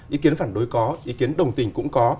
ý kiến phản đối có ý kiến đồng tình cũng có